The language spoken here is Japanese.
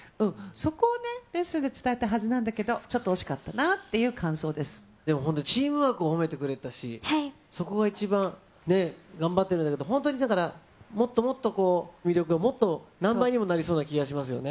そこをね、レッスンで伝えたはずなんだけど、ちょっと惜しかったなっていう感でも本当、チームワークも褒めてくれたし、そこが一番、頑張ってるんだけど、本当にだから、もっともっと魅力がもっと何倍にもなりそうな気がしますよね。